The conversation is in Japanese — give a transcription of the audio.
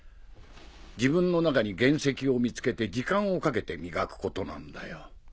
自分の中に原石を見つけて時間をかけて磨くことなんだよ。